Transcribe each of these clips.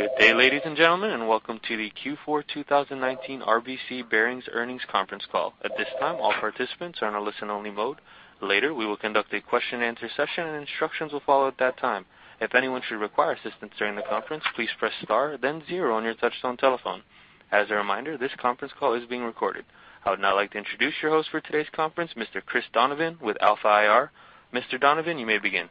Good day, ladies and gentlemen, and welcome to the Q4 2019 RBC Bearings earnings conference call. At this time, all participants are in a listen-only mode. Later, we will conduct a question-and-answer session, and instructions will follow at that time. If anyone should require assistance during the conference, please press star, then zero on your touch-tone telephone. As a reminder, this conference call is being recorded. I would now like to introduce your host for today's conference, Mr. Chris Donovan with Alpha IR. Mr. Donovan, you may begin.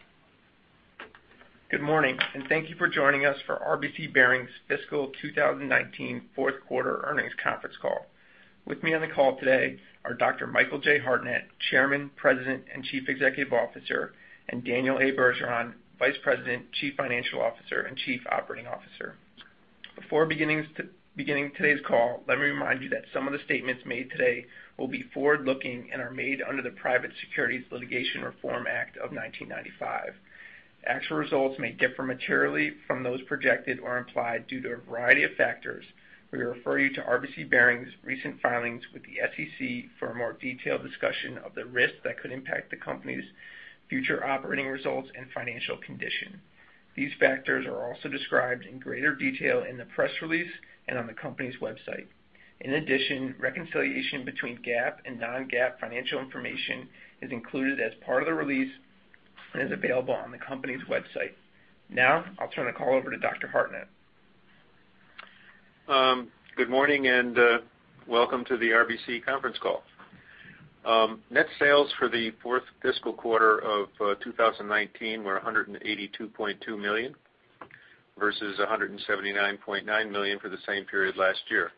Good morning, and thank you for joining us for RBC Bearings fiscal 2019 fourth quarter earnings conference call. With me on the call today are Dr. Michael J. Hartnett, Chairman, President, and Chief Executive Officer, and Daniel A. Bergeron, Vice President, Chief Financial Officer, and Chief Operating Officer. Before beginning today's call, let me remind you that some of the statements made today will be forward-looking and are made under the Private Securities Litigation Reform Act of 1995. Actual results may differ materially from those projected or implied due to a variety of factors. We refer you to RBC Bearings' recent filings with the SEC for a more detailed discussion of the risks that could impact the company's future operating results and financial condition. These factors are also described in greater detail in the press release and on the company's website. In addition, reconciliation between GAAP and non-GAAP financial information is included as part of the release and is available on the company's website. Now, I'll turn the call over to Dr. Hartnett. Good morning and welcome to the RBC conference call. Net sales for the fourth fiscal quarter of 2019 were $182.2 million versus $179.9 million for the same period last year.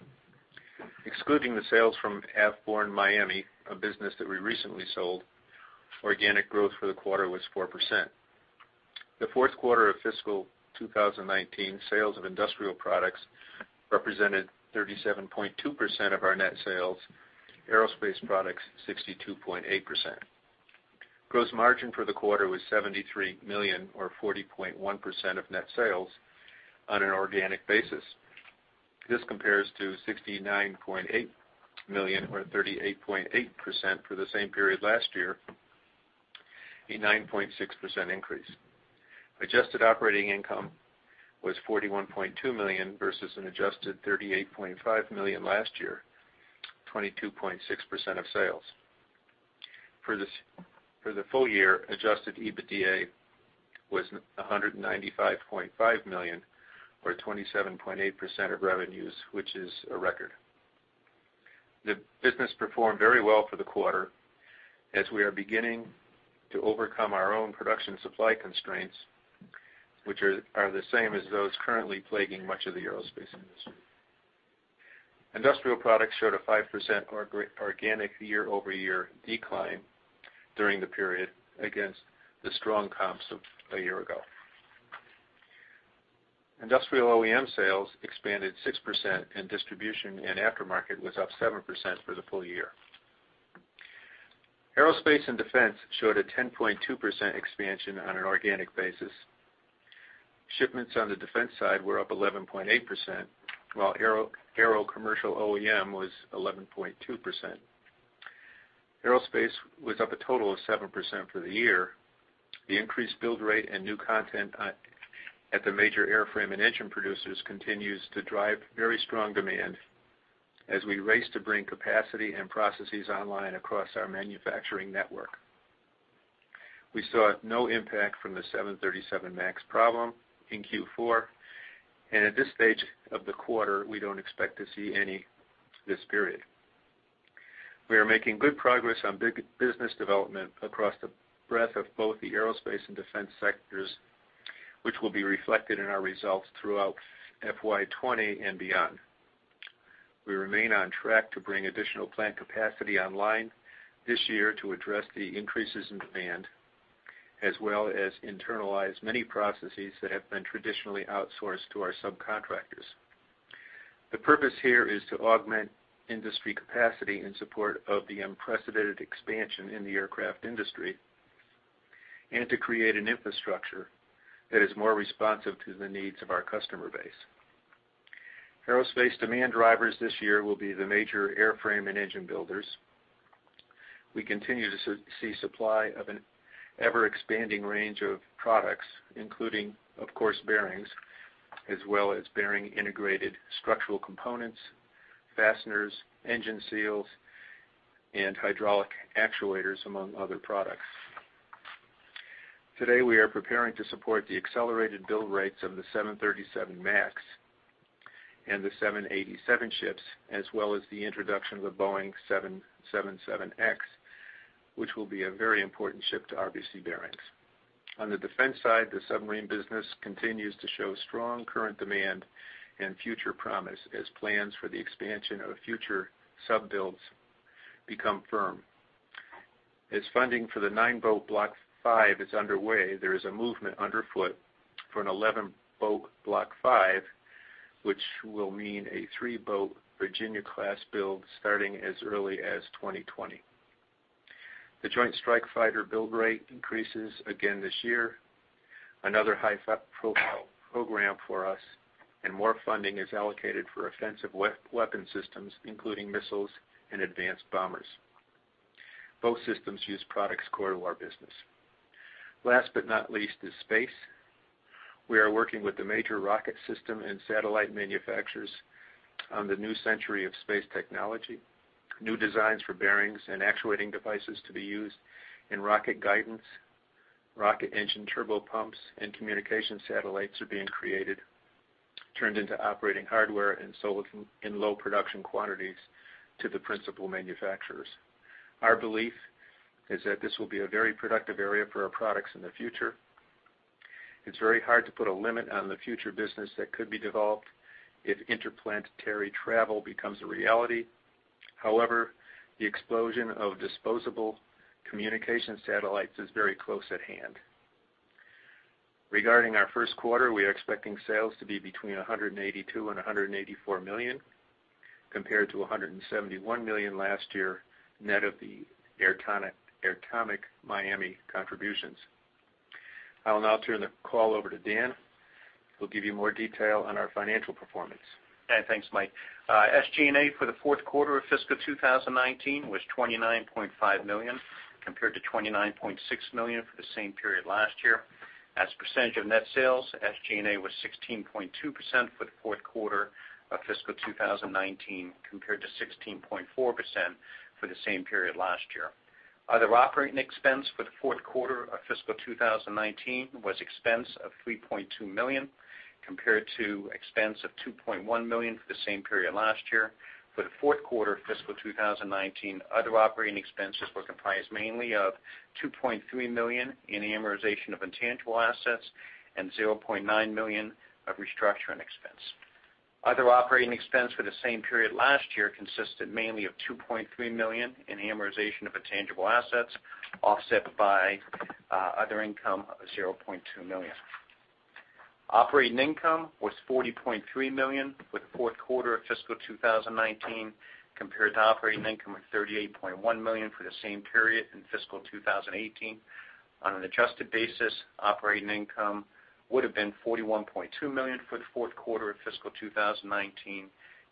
Excluding the sales from Avborne Miami, a business that we recently sold, organic growth for the quarter was 4%. The fourth quarter of fiscal 2019, sales of industrial products represented 37.2% of our net sales, aerospace products 62.8%. Gross margin for the quarter was $73 million or 40.1% of net sales on an organic basis. This compares to $69.8 million or 38.8% for the same period last year, a 9.6% increase. Adjusted operating income was $41.2 million versus an adjusted $38.5 million last year, 22.6% of sales. For the full year, adjusted EBITDA was $195.5 million or 27.8% of revenues, which is a record. The business performed very well for the quarter as we are beginning to overcome our own production supply constraints, which are the same as those currently plaguing much of the aerospace industry. Industrial products showed a 5% organic year-over-year decline during the period against the strong comps of a year ago. Industrial OEM sales expanded 6%, and distribution and aftermarket was up 7% for the full year. Aerospace and defense showed a 10.2% expansion on an organic basis. Shipments on the defense side were up 11.8%, while aero-commercial OEM was 11.2%. Aerospace was up a total of 7% for the year. The increased build rate and new content at the major airframe and engine producers continues to drive very strong demand as we race to bring capacity and processes online across our manufacturing network. We saw no impact from the 737 MAX problem in Q4, and at this stage of the quarter, we don't expect to see any this period. We are making good progress on business development across the breadth of both the aerospace and defense sectors, which will be reflected in our results throughout FY 2020 and beyond. We remain on track to bring additional plant capacity online this year to address the increases in demand as well as internalize many processes that have been traditionally outsourced to our subcontractors. The purpose here is to augment industry capacity in support of the unprecedented expansion in the aircraft industry and to create an infrastructure that is more responsive to the needs of our customer base. Aerospace demand drivers this year will be the major airframe and engine builders. We continue to see supply of an ever-expanding range of products, including, of course, bearings as well as bearing-integrated structural components, fasteners, engine seals, and hydraulic actuators, among other products. Today, we are preparing to support the accelerated build rates of the 737 MAX and the 787 ships as well as the introduction of the Boeing 777X, which will be a very important ship to RBC Bearings. On the defense side, the submarine business continues to show strong current demand and future promise as plans for the expansion of future sub builds become firm. As funding for the nine boat Block V is underway, there is a movement underfoot for an 11-boat Block V, which will mean a three boat Virginia-class build starting as early as 2020. The Joint Strike Fighter build rate increases again this year, another high-profile program for us, and more funding is allocated for offensive weapon systems, including missiles and advanced bombers. Both systems use products core to our business. Last but not least is space. We are working with the major rocket system and satellite manufacturers on the new century of space technology. New designs for bearings and actuating devices to be used in rocket guidance, rocket engine turbopumps, and communication satellites are being created, turned into operating hardware, and sold in low-production quantities to the principal manufacturers. Our belief is that this will be a very productive area for our products in the future. It's very hard to put a limit on the future business that could be developed if interplanetary travel becomes a reality. However, the explosion of disposable communication satellites is very close at hand. Regarding our first quarter, we are expecting sales to be between $182 million and $184 million compared to $171 million last year net of the Avborne Miami contributions. I will now turn the call over to Dan. He'll give you more detail on our financial performance. Hey, thanks, Mike. SG&A for the fourth quarter of fiscal 2019 was $29.5 million compared to $29.6 million for the same period last year. As percentage of net sales, SG&A was 16.2% for the fourth quarter of fiscal 2019 compared to 16.4% for the same period last year. Other operating expense for the fourth quarter of fiscal 2019 was expense of $3.2 million compared to expense of $2.1 million for the same period last year. For the fourth quarter of fiscal 2019, other operating expenses were comprised mainly of $2.3 million in amortization of intangible assets and $0.9 million of restructuring expense. Other operating expense for the same period last year consisted mainly of $2.3 million in amortization of intangible assets offset by other income of $0.2 million. Operating income was $40.3 million for the fourth quarter of fiscal 2019 compared to operating income of $38.1 million for the same period in fiscal 2018. On an adjusted basis, operating income would have been $41.2 million for the fourth quarter of fiscal 2019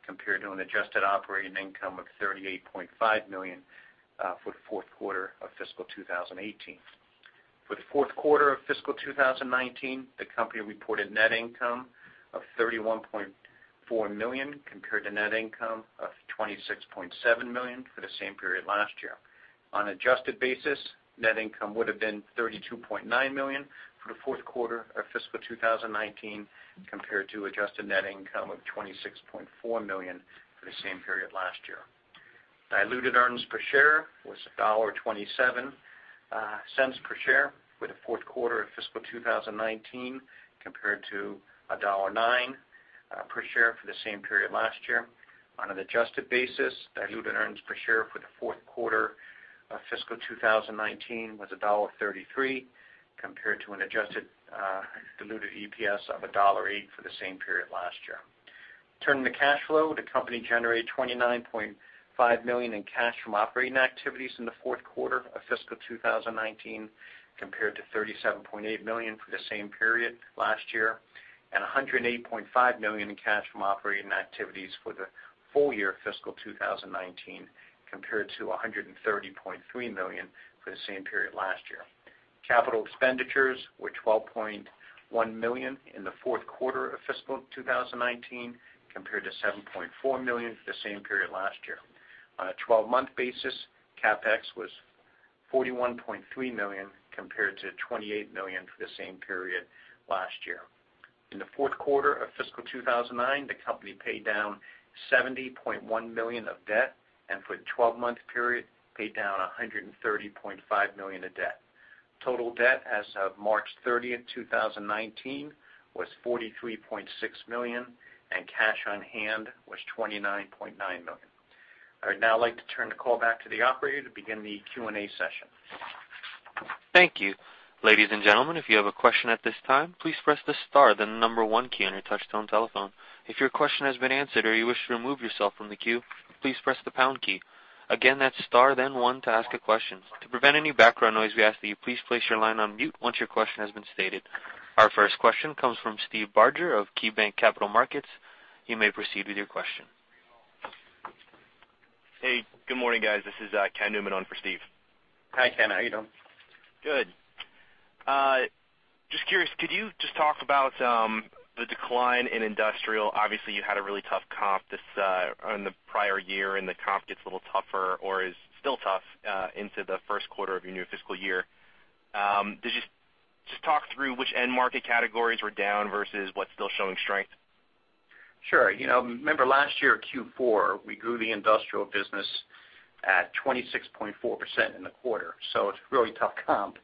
compared to an adjusted operating income of $38.5 million for the fourth quarter of fiscal 2018. For the fourth quarter of fiscal 2019, the company reported net income of $31.4 million compared to net income of $26.7 million for the same period last year. On an adjusted basis, net income would have been $32.9 million for the fourth quarter of fiscal 2019 compared to adjusted net income of $26.4 million for the same period last year. Diluted earnings per share was $1.27 per share for the fourth quarter of fiscal 2019 compared to $1.09 per share for the same period last year. On an adjusted basis, diluted earnings per share for the fourth quarter of fiscal 2019 was $1.33 compared to an adjusted diluted EPS of $1.08 for the same period last year. Turning to cash flow, the company generated $29.5 million in cash from operating activities in the fourth quarter of fiscal 2019 compared to $37.8 million for the same period last year and $108.5 million in cash from operating activities for the full year of fiscal 2019 compared to $130.3 million for the same period last year. Capital expenditures were $12.1 million in the fourth quarter of fiscal 2019 compared to $7.4 million for the same period last year. On a 12-month basis, CapEx was $41.3 million compared to $28 million for the same period last year. In the fourth quarter of fiscal 2019, the company paid down $70.1 million of debt and for the 12-month period, paid down $130.5 million of debt. Total debt as of March 30, 2019, was $43.6 million, and cash on hand was $29.9 million. I would now like to turn the call back to the operator to begin the Q&A session. Thank you. Ladies and gentlemen, if you have a question at this time, please press the star, then the number one key on your touch-tone telephone. If your question has been answered or you wish to remove yourself from the queue, please press the pound key. Again, that's star, then one to ask a question. To prevent any background noise, we ask that you please place your line on mute once your question has been stated. Our first question comes from Steve Barger of KeyBanc Capital Markets. You may proceed with your question. Hey, good morning, guys. This is Ken Newman on for Steve. Hi, Ken. How are you doing? Good. Just curious, could you just talk about the decline in industrial? Obviously, you had a really tough comp this on the prior year, and the comp gets a little tougher or is still tough into the first quarter of your new fiscal year. Did you just talk through which end market categories were down versus what's still showing strength? Sure. Remember, last year, Q4, we grew the industrial business at 26.4% in the quarter, so it's a really tough comp.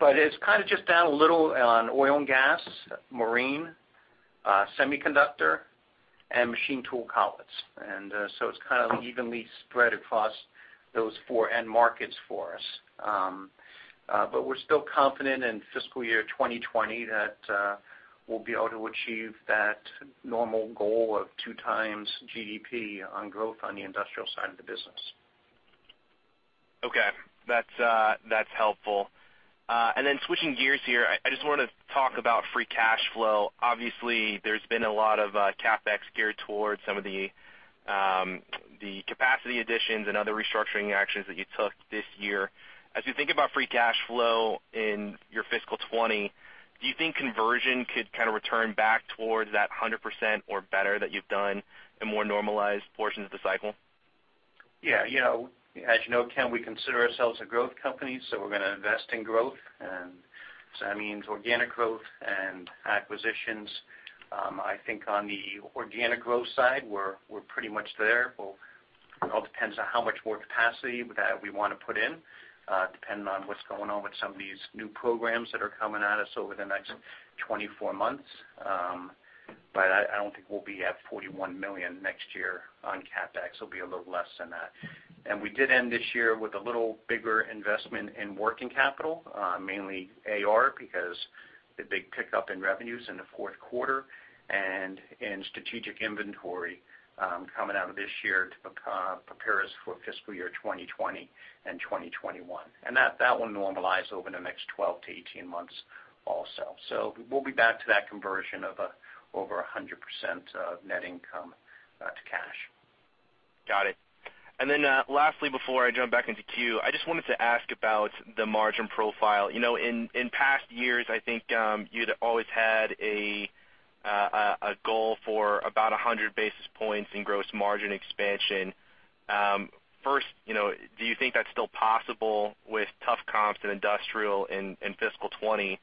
But it's kind of just down a little on oil and gas, marine, semiconductor, and machine tool collets. And so it's kind of evenly spread across those four end markets for us. But we're still confident in fiscal year 2020 that we'll be able to achieve that normal goal of two times GDP on growth on the industrial side of the business. Okay. That's helpful. And then switching gears here, I just wanted to talk about free cash flow. Obviously, there's been a lot of CapEx geared towards some of the capacity additions and other restructuring actions that you took this year. As you think about free cash flow in your fiscal 2020, do you think conversion could kind of return back towards that 100% or better that you've done in more normalized portions of the cycle? Yeah. As you know, Ken, we consider ourselves a growth company, so we're going to invest in growth. So that means organic growth and acquisitions. I think on the organic growth side, we're pretty much there. Well, it all depends on how much more capacity that we want to put in, depending on what's going on with some of these new programs that are coming at us over the next 24 months. But I don't think we'll be at $41 million next year on CapEx. It'll be a little less than that. And we did end this year with a little bigger investment in working capital, mainly AR because of the big pickup in revenues in the fourth quarter and in strategic inventory coming out of this year to prepare us for fiscal year 2020 and 2021. And that will normalize over the next 12 to 18 months also. We'll be back to that conversion of over 100% of net income to cash. Got it. And then lastly, before I jump back into queue, I just wanted to ask about the margin profile. In past years, I think you'd always had a goal for about 100 basis points in gross margin expansion. First, do you think that's still possible with tough comps in industrial in fiscal 2020?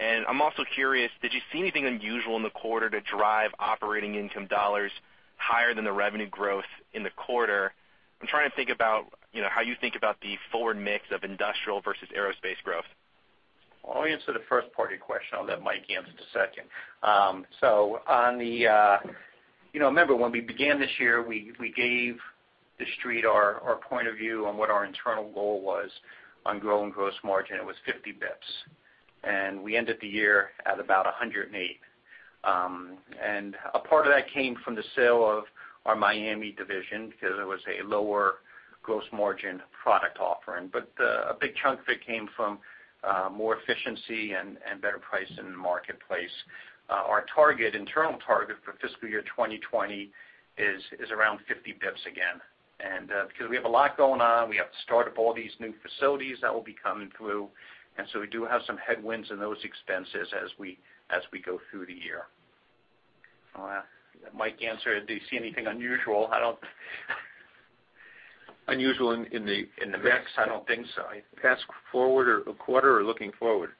And I'm also curious, did you see anything unusual in the quarter to drive operating income dollars higher than the revenue growth in the quarter? I'm trying to think about how you think about the forward mix of industrial versus aerospace growth. Well, I'll answer the first part of your question. I'll let Mike answer the second. So, remember, when we began this year, we gave the street our point of view on what our internal goal was on growing gross margin. It was 50 basis points. And we ended the year at about 108. And a part of that came from the sale of our Miami division because it was a lower gross margin product offering. But a big chunk of it came from more efficiency and better pricing in the marketplace. Our internal target for fiscal year 2020 is around 50 basis points again. And because we have a lot going on, we have to start up all these new facilities that will be coming through. And so we do have some headwinds in those expenses as we go through the year. Well, that might answer. Do you see anything unusual? I don't. Unusual in the basis points? I don't think so. Last quarter or looking forward?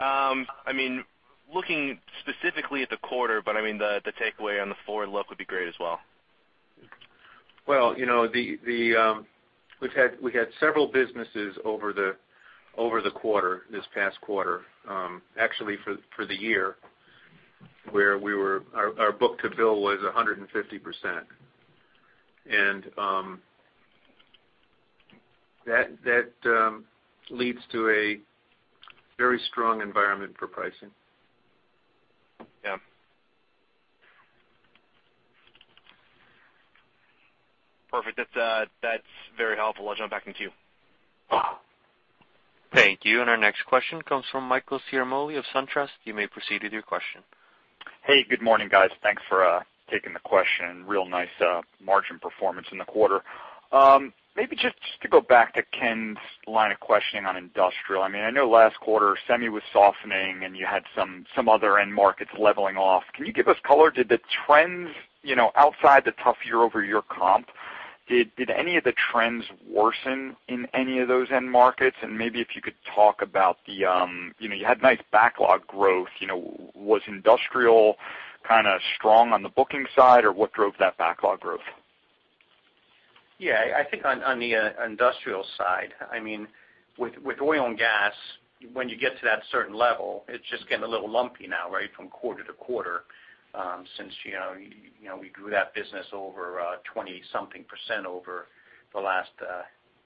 I mean, looking specifically at the quarter, but I mean, the takeaway on the forward look would be great as well. Well, we've had several businesses over the quarter, this past quarter, actually for the year where we were our book-to-bill was 150%. And that leads to a very strong environment for pricing. Yeah. Perfect. That's very helpful. I'll jump back into queue. Thank you. And our next question comes from Michael Ciarmoli of SunTrust. You may proceed with your question. Hey, good morning, guys. Thanks for taking the question. Real nice margin performance in the quarter. Maybe just to go back to Ken's line of questioning on industrial. I mean, I know last quarter, semi was softening, and you had some other end markets leveling off. Can you give us color? Did the trends outside the tough year-over-year comp, did any of the trends worsen in any of those end markets? And maybe if you could talk about the you had nice backlog growth. Was industrial kind of strong on the booking side, or what drove that backlog growth? Yeah. I think on the industrial side, I mean, with oil and gas, when you get to that certain level, it's just getting a little lumpy now, right, from quarter to quarter since we grew that business over 20-something% over the last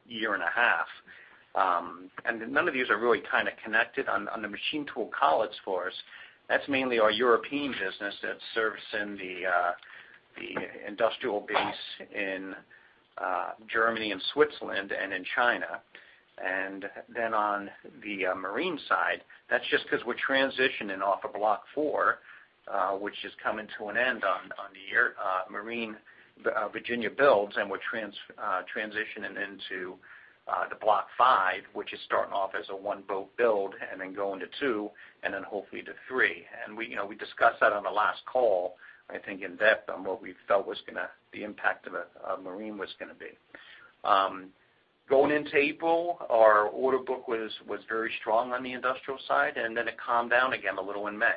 year and a half. And none of these are really kind of connected. On the machine tool collets for us, that's mainly our European business that serves in the industrial base in Germany and Switzerland and in China. And then on the marine side, that's just because we're transitioning off of Block IV, which is coming to an end on the marine Virginia builds, and we're transitioning into the Block five, which is starting off as a one-boat build and then going to two and then hopefully to three. We discussed that on the last call, I think, in depth on what we felt was going to the impact of marine was going to be. Going into April, our order book was very strong on the industrial side, and then it calmed down again a little in May.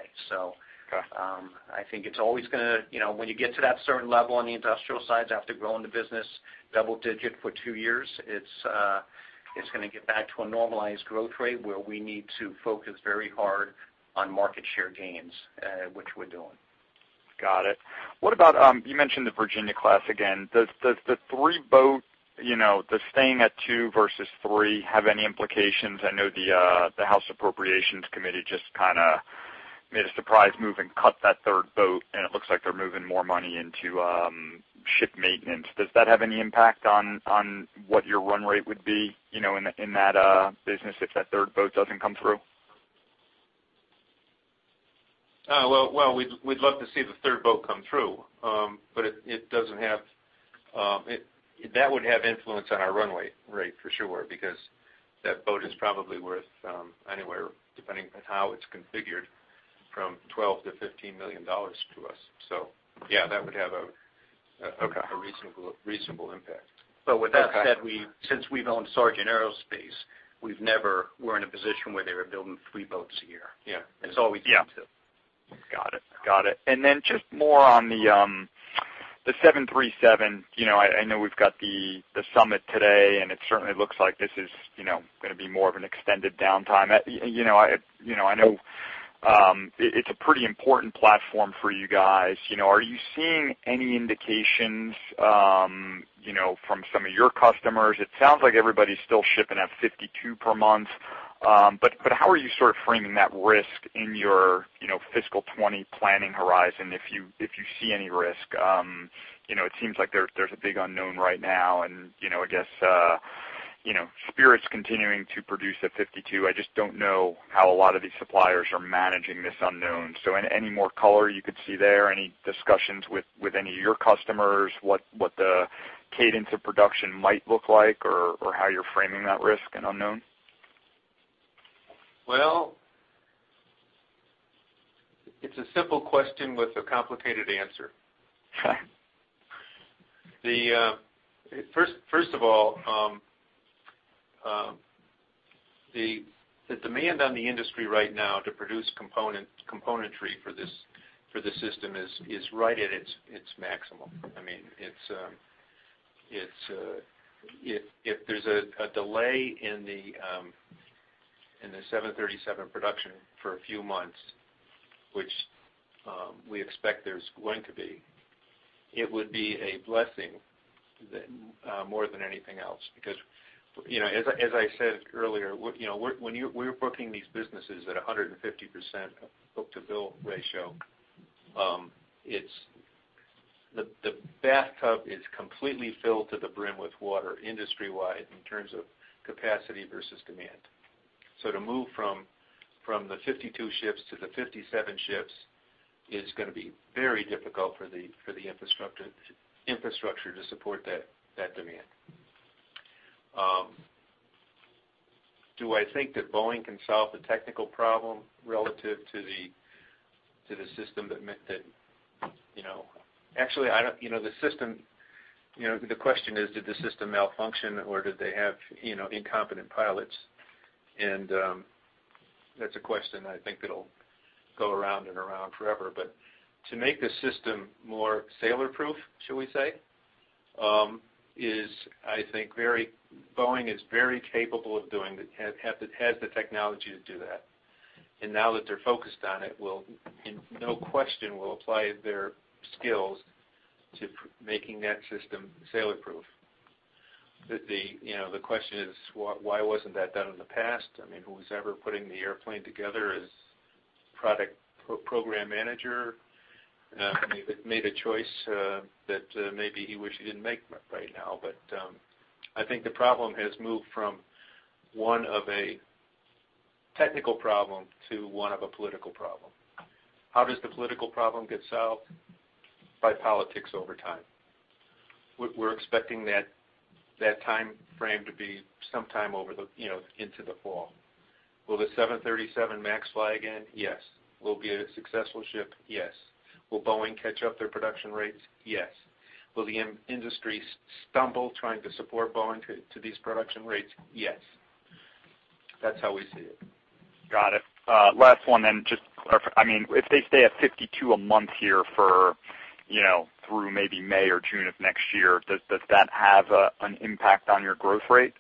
I think it's always going to when you get to that certain level on the industrial side, after growing the business double-digit for two years, it's going to get back to a normalized growth rate where we need to focus very hard on market share gains, which we're doing. Got it. You mentioned the Virginia-class again. Does the three-boat the staying at two versus three have any implications? I know the House Appropriations Committee just kind of made a surprise move and cut that third boat, and it looks like they're moving more money into ship maintenance. Does that have any impact on what your run rate would be in that business if that third boat doesn't come through? Well, we'd love to see the third boat come through, but it doesn't have that would have influence on our runway rate for sure because that boat is probably worth anywhere, depending on how it's configured, from $12 million-$15 million to us. So yeah, that would have a reasonable impact. But with that said, since we've owned Sargent Aerospace, we're in a position where they're building three boats a year. It's always up to. Yeah. Got it. Got it. And then just more on the 737. I know we've got the summit today, and it certainly looks like this is going to be more of an extended downtime. I know it's a pretty important platform for you guys. Are you seeing any indications from some of your customers? It sounds like everybody's still shipping at 52 per month. But how are you sort of framing that risk in your fiscal 2020 planning horizon if you see any risk? It seems like there's a big unknown right now, and I guess Spirit's continuing to produce at 52. I just don't know how a lot of these suppliers are managing this unknown. So any more color you could see there? Any discussions with any of your customers what the cadence of production might look like or how you're framing that risk and unknown? Well, it's a simple question with a complicated answer. First of all, the demand on the industry right now to produce componentry for this system is right at its maximum. I mean, if there's a delay in the 737 production for a few months, which we expect there's going to be, it would be a blessing more than anything else because, as I said earlier, when we're booking these businesses at 150% book-to-bill ratio, the bathtub is completely filled to the brim with water industry-wide in terms of capacity versus demand. So to move from the 52 ships to the 57 ships is going to be very difficult for the infrastructure to support that demand. Do I think that Boeing can solve the technical problem relative to the system that actually, I don't the question is, did the system malfunction, or did they have incompetent pilots? That's a question I think that'll go around and around forever. But to make the system more sailor-proof, shall we say, is, I think, very Boeing is very capable of doing it, has the technology to do that. And now that they're focused on it, no question will apply their skills to making that system sailor-proof. The question is, why wasn't that done in the past? I mean, who was ever putting the airplane together as product program manager? I mean, they've made a choice that maybe he wished he didn't make right now. But I think the problem has moved from one of a technical problem to one of a political problem. How does the political problem get solved? By politics over time. We're expecting that time frame to be sometime into the fall. Will the 737 MAX fly again? Yes. Will it be a successful ship? Yes. Will Boeing catch up their production rates? Yes. Will the industry stumble trying to support Boeing to these production rates? Yes. That's how we see it. Got it. Last one then, just I mean, if they stay at 52 a month here through maybe May or June of next year, does that have an impact on your growth rate?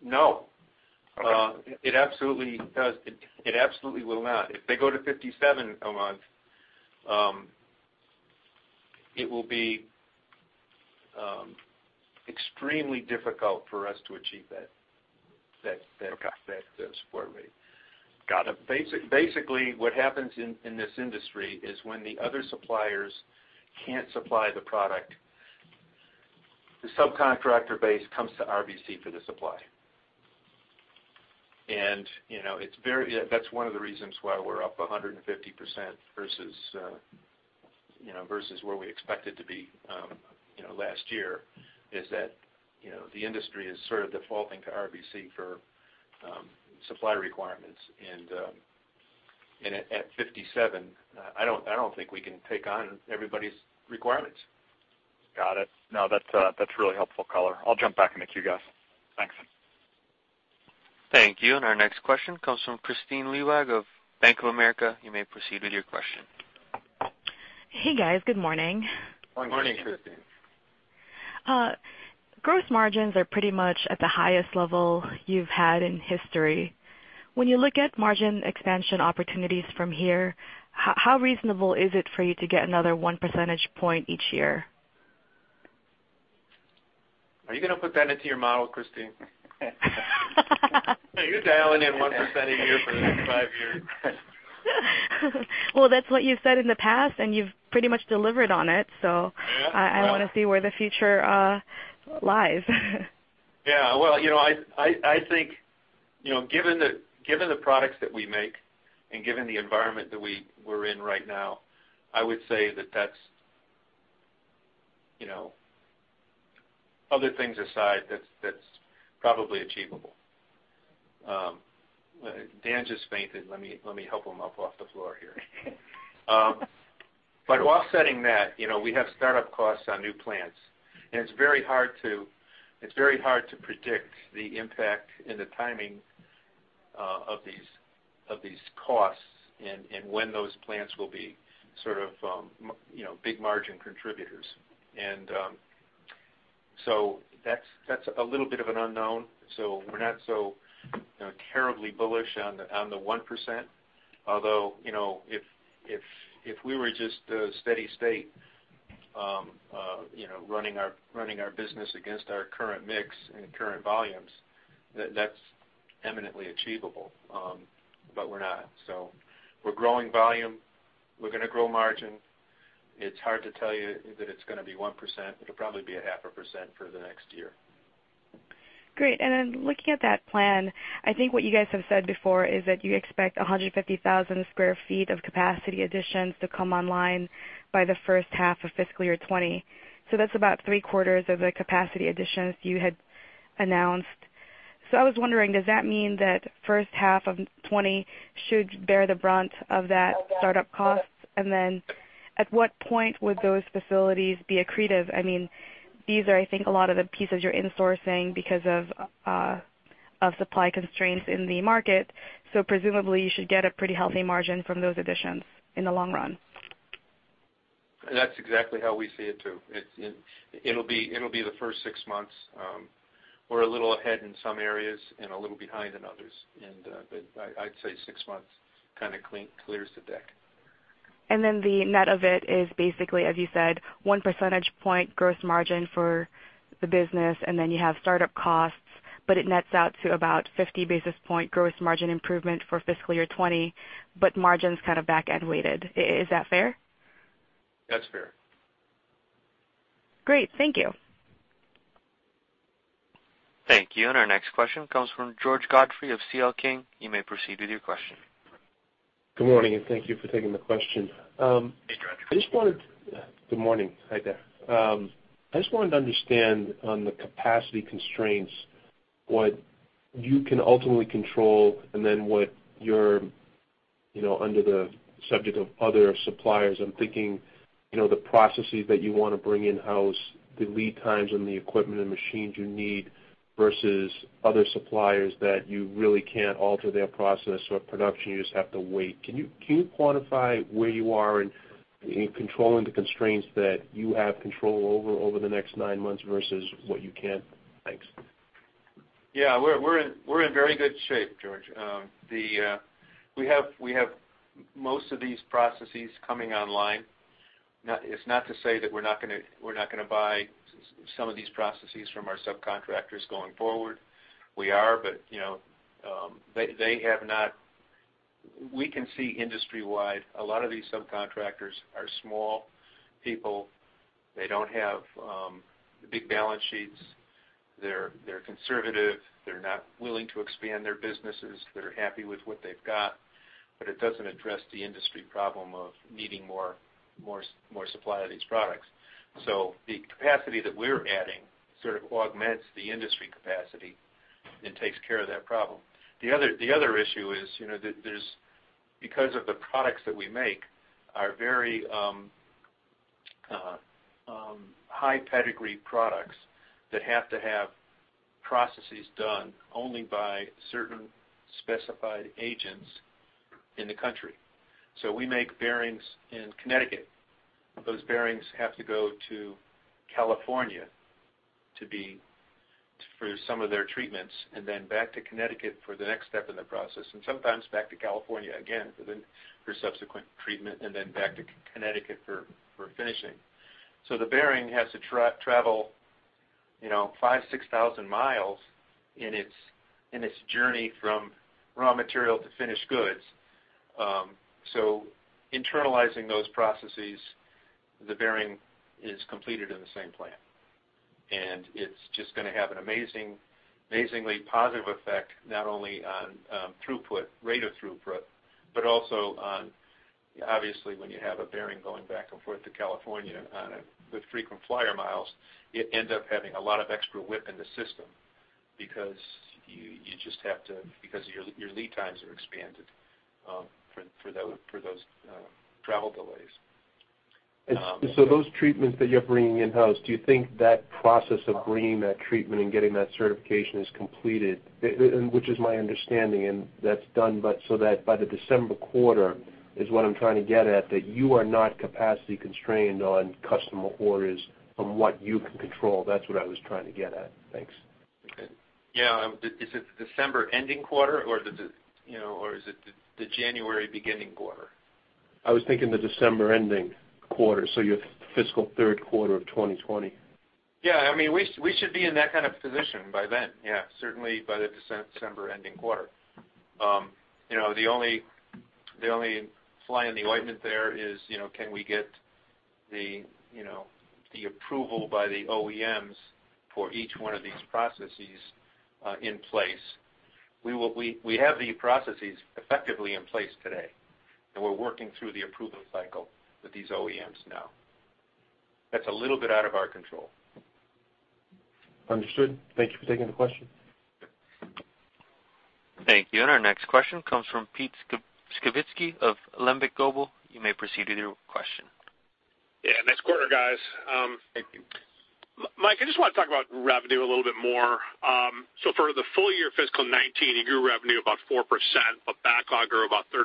No. It absolutely does. It absolutely will not. If they go to 57 a month, it will be extremely difficult for us to achieve that support rate. Basically, what happens in this industry is when the other suppliers can't supply the product, the subcontractor base comes to RBC for the supply. And that's one of the reasons why we're up 150% versus where we expected to be last year, is that the industry is sort of defaulting to RBC for supply requirements. And at 57, I don't think we can take on everybody's requirements. Got it. No, that's really helpful color. I'll jump back into queue, guys. Thanks. Thank you. Our next question comes from Kristine Liwag of Bank of America. You may proceed with your question. Hey, guys. Good morning. Morning, Christine. Gross margins are pretty much at the highest level you've had in history. When you look at margin expansion opportunities from here, how reasonable is it for you to get another one percentage point each year? Are you going to put that into your model, Kristine? You're dialing in 1% a year for the next five years. Well, that's what you've said in the past, and you've pretty much delivered on it. So I want to see where the future lies. Yeah. Well, I think given the products that we make and given the environment that we're in right now, I would say that that's other things aside, that's probably achievable. Dan just fainted. Let me help him up off the floor here. But offsetting that, we have startup costs on new plants. And it's very hard to predict the impact and the timing of these costs and when those plants will be sort of big margin contributors. And so that's a little bit of an unknown. So we're not so terribly bullish on the 1%, although if we were just a steady state running our business against our current mix and current volumes, that's eminently achievable. But we're not. So we're growing volume. We're going to grow margin. It's hard to tell you that it's going to be 1%. It'll probably be 0.5% for the next year. Great. And then looking at that plan, I think what you guys have said before is that you expect 150,000 sq ft of capacity additions to come online by the first half of fiscal year 2020. So that's about three-quarters of the capacity additions you had announced. So I was wondering, does that mean that first half of 2020 should bear the brunt of that startup cost? And then at what point would those facilities be accretive? I mean, these are, I think, a lot of the pieces you're insourcing because of supply constraints in the market. So presumably, you should get a pretty healthy margin from those additions in the long run. That's exactly how we see it too. It'll be the first six months. We're a little ahead in some areas and a little behind in others. I'd say six months kind of clears the deck. And then the net of it is basically, as you said, 1 percentage point gross margin for the business, and then you have startup costs, but it nets out to about 50 basis point gross margin improvement for fiscal year 2020, but margin's kind of back-end weighted. Is that fair? That's fair. Great. Thank you. Thank you. Our next question comes from George Godfrey of CL King. You may proceed with your question. Good morning. Thank you for taking the question. I just wanted to understand the capacity constraints, what you can ultimately control and then what you're subject to other suppliers. I'm thinking the processes that you want to bring in-house, the lead times on the equipment and machines you need versus other suppliers that you really can't alter their process or production. You just have to wait. Can you quantify where you are in controlling the constraints that you have control over the next nine months versus what you can't? Thanks. Yeah. We're in very good shape, George. We have most of these processes coming online. It's not to say that we're not going to buy some of these processes from our subcontractors going forward. We are, but they have not. We can see industry-wide, a lot of these subcontractors are small people. They don't have big balance sheets. They're conservative. They're not willing to expand their businesses. They're happy with what they've got. But it doesn't address the industry problem of needing more supply of these products. So the capacity that we're adding sort of augments the industry capacity and takes care of that problem. The other issue is because of the products that we make, our very high pedigree products that have to have processes done only by certain specified agents in the country. So we make bearings in Connecticut. Those bearings have to go to California for some of their treatments and then back to Connecticut for the next step in the process, and sometimes back to California again for subsequent treatment and then back to Connecticut for finishing. So the bearing has to travel 5,000, 6,000 miles in its journey from raw material to finished goods. So internalizing those processes, the bearing is completed in the same plant. And it's just going to have an amazingly positive effect not only on rate of throughput but also on obviously, when you have a bearing going back and forth to California with frequent flyer miles, it ends up having a lot of extra WIP in the system because you just have to because your lead times are expanded for those travel delays. Those treatments that you're bringing in-house, do you think that process of bringing that treatment and getting that certification is completed, which is my understanding, and that's done so that by the December quarter is what I'm trying to get at, that you are not capacity constrained on customer orders from what you can control? That's what I was trying to get at. Thanks. Yeah. Is it the December ending quarter, or is it the January beginning quarter? I was thinking the December ending quarter, so your fiscal third quarter of 2020. Yeah. I mean, we should be in that kind of position by then. Yeah. Certainly, by the December ending quarter. The only fly in the ointment there is, can we get the approval by the OEMs for each one of these processes in place? We have the processes effectively in place today, and we're working through the approval cycle with these OEMs now. That's a little bit out of our control. Understood. Thank you for taking the question. Thank you. Our next question comes from Pete Skibitski of Alembic Global. You may proceed with your question. Yeah. Next quarter, guys. Mike, I just want to talk about revenue a little bit more. So for the full year fiscal 2019, you grew revenue about 4%, but backlog grew about 13.5%.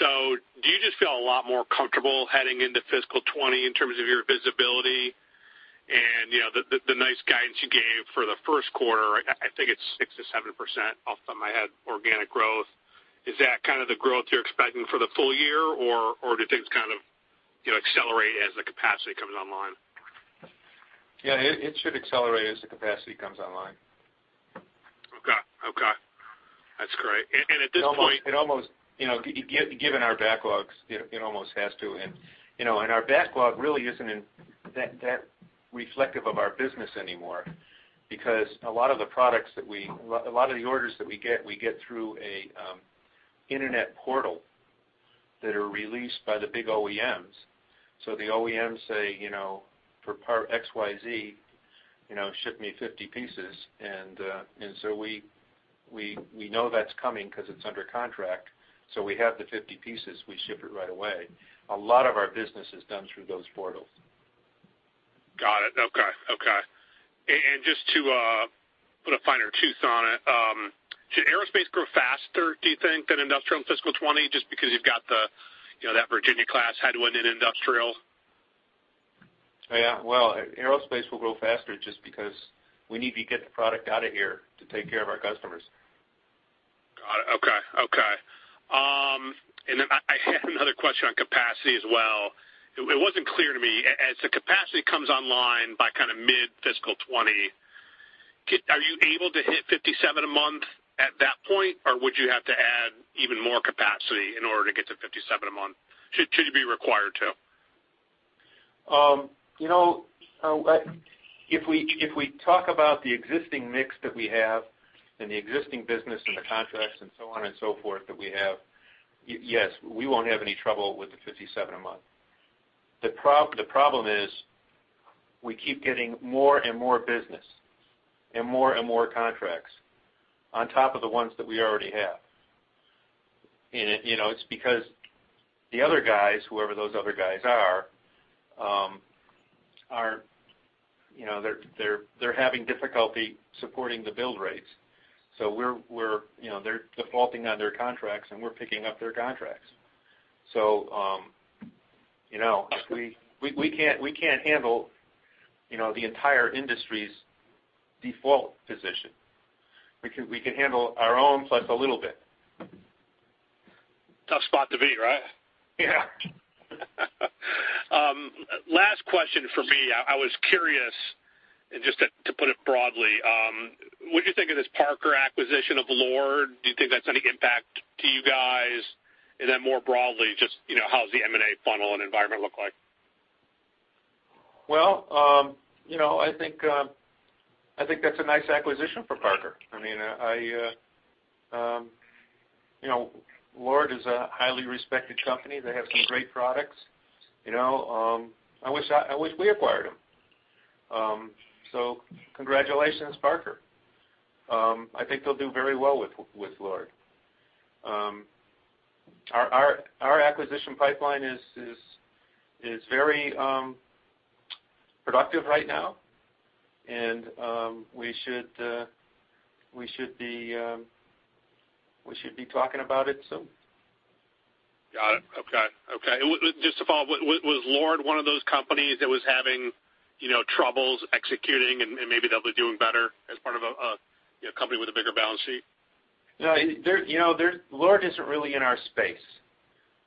So do you just feel a lot more comfortable heading into fiscal 2020 in terms of your visibility and the nice guidance you gave for the first quarter? I think it's 6%-7% off the top of my head, organic growth. Is that kind of the growth you're expecting for the full year, or do things kind of accelerate as the capacity comes online? Yeah. It should accelerate as the capacity comes online. Okay. Okay. That's great. At this point. Given our backlogs, it almost has to. Our backlog really isn't that reflective of our business anymore because a lot of the orders that we get, we get through an internet portal that are released by the big OEMs. So the OEMs say, "For part XYZ, ship me 50 pieces." And so we know that's coming because it's under contract. So we have the 50 pieces. We ship it right away. A lot of our business is done through those portals. Got it. Okay. Okay. And just to put a finer tooth on it, should aerospace grow faster, do you think, than industrial in fiscal 2020 just because you've got that Virginia-class headwind in industrial? Yeah. Well, aerospace will grow faster just because we need to get the product out of here to take care of our customers. Got it. Okay. Okay. And then I had another question on capacity as well. It wasn't clear to me. So capacity comes online by kind of mid-fiscal 2020. Are you able to hit 57 a month at that point, or would you have to add even more capacity in order to get to 57 a month? Should you be required to? If we talk about the existing mix that we have and the existing business and the contracts and so on and so forth that we have, yes, we won't have any trouble with the 57 a month. The problem is we keep getting more and more business and more and more contracts on top of the ones that we already have. And it's because the other guys, whoever those other guys are, they're having difficulty supporting the build rates. So they're defaulting on their contracts, and we're picking up their contracts. So we can't handle the entire industry's default position. We can handle our own plus a little bit. Tough spot to be, right? Yeah. Last question for me. I was curious, and just to put it broadly, what do you think of this Parker acquisition of Lord? Do you think that's any impact to you guys? Then more broadly, just how's the M&A funnel and environment look like? Well, I think that's a nice acquisition for Parker. I mean, Lord is a highly respected company. They have some great products. I wish we acquired them. So congratulations, Parker. I think they'll do very well with Lord. Our acquisition pipeline is very productive right now, and we should be talking about it soon. Got it. Okay. Okay. Just to follow up, was LORD one of those companies that was having troubles executing, and maybe they'll be doing better as part of a company with a bigger balance sheet? Yeah. LORD isn't really in our space.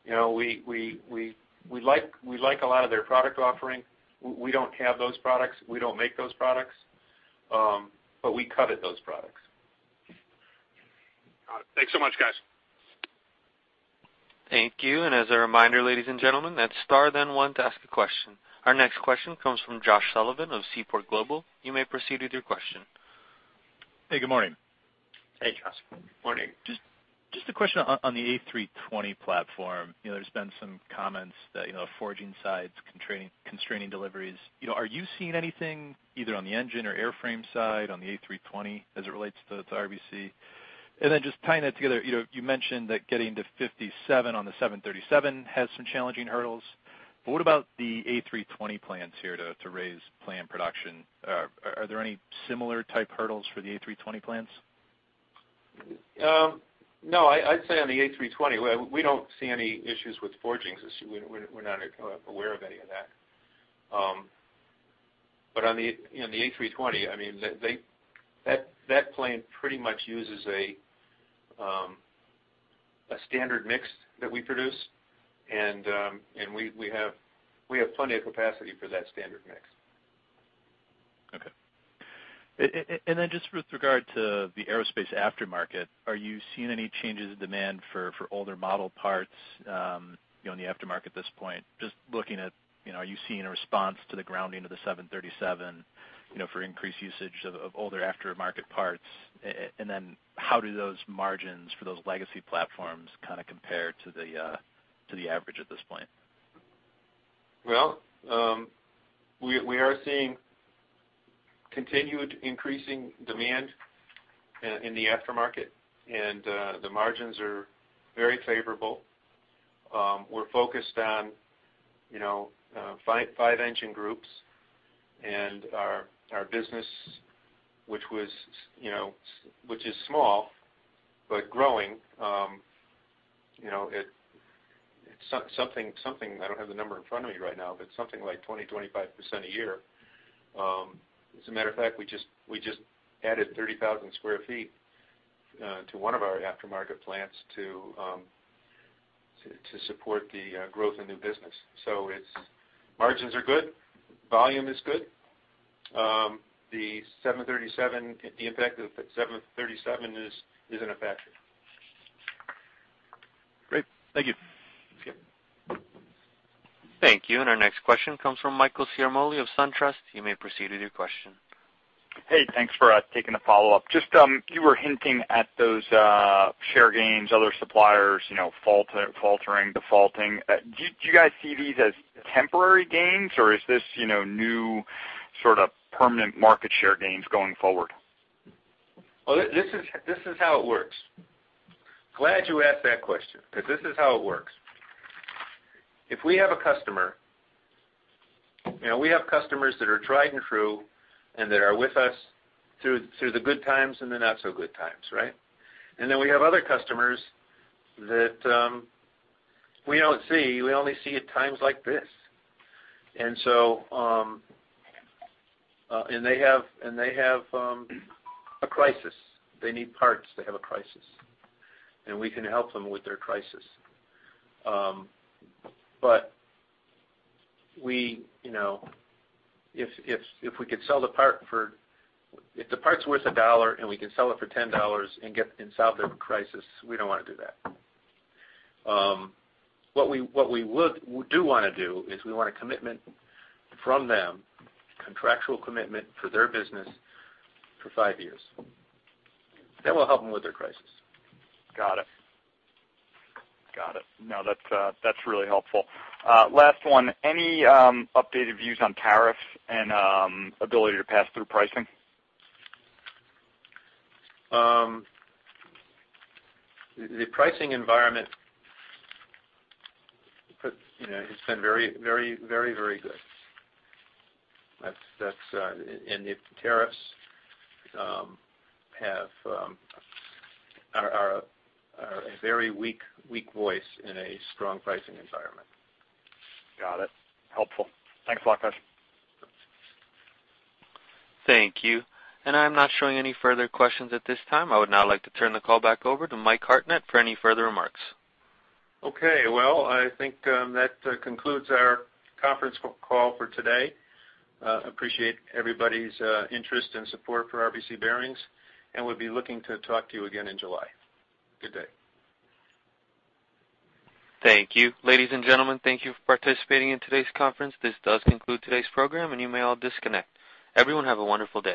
We like a lot of their product offering. We don't have those products. We don't make those products, but we cut at those products. Got it. Thanks so much, guys. Thank you. As a reminder, ladies and gentlemen, that's star then one to ask a question. Our next question comes from Josh Sullivan of Seaport Global. You may proceed with your question. Hey. Good morning. Hey, Josh. Morning. Just a question on the A320 platform. There's been some comments that the forging side's constraining deliveries. Are you seeing anything either on the engine or airframe side on the A320 as it relates to RBC? And then just tying that together, you mentioned that getting to 57 on the 737 has some challenging hurdles. But what about the A320 plans here to raise plan production? Are there any similar type hurdles for the A320 plans? No. I'd say on the A320, we don't see any issues with forgings. We're not aware of any of that. But on the A320, I mean, that plane pretty much uses a standard mix that we produce, and we have plenty of capacity for that standard mix. Okay. And then just with regard to the aerospace aftermarket, are you seeing any changes in demand for older model parts on the aftermarket at this point? Just looking at, are you seeing a response to the grounding of the 737 for increased usage of older aftermarket parts? And then how do those margins for those legacy platforms kind of compare to the average at this point? Well, we are seeing continued increasing demand in the aftermarket, and the margins are very favorable. We're focused on F-35 engine groups, and our business, which is small but growing, it's something I don't have the number in front of me right now, but something like 20%-25% a year. As a matter of fact, we just added 30,000 sq ft to one of our aftermarket plants to support the growth of new business. So margins are good. Volume is good. The impact of the 737 isn't a factor. Great. Thank you. Thank you. Our next question comes from Michael Ciarmoli of SunTrust. You may proceed with your question. Hey. Thanks for taking the follow-up. Just you were hinting at those share gains, other suppliers faltering, defaulting. Do you guys see these as temporary gains, or is this new sort of permanent market share gains going forward? Well, this is how it works. Glad you asked that question because this is how it works. If we have a customer we have customers that are tried and true and that are with us through the good times and the not-so-good times, right? And then we have other customers that we don't see. We only see at times like this. And they have a crisis. They need parts. They have a crisis. And we can help them with their crisis. But if we could sell the part for if the part's worth $1, and we can sell it for $10 and solve their crisis, we don't want to do that. What we do want to do is we want a commitment from them, contractual commitment for their business for five years. That will help them with their crisis. Got it. Got it. No, that's really helpful. Last one. Any updated views on tariffs and ability to pass through pricing? The pricing environment has been very, very, very good. The tariffs are a very weak voice in a strong pricing environment. Got it. Helpful. Thanks a lot, guys. Thank you. I'm not showing any further questions at this time. I would now like to turn the call back over to Mike Hartnett for any further remarks. Okay. Well, I think that concludes our conference call for today. Appreciate everybody's interest and support for RBC Bearings, and we'll be looking to talk to you again in July. Good day. Thank you. Ladies and gentlemen, thank you for participating in today's conference. This does conclude today's program, and you may all disconnect. Everyone have a wonderful day.